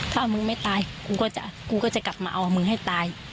ถ้ามึงไม่ตายกูก็จะกูก็จะกลับมาเอามึงให้ตาย